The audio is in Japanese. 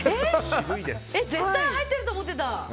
絶対入ってると思ってた！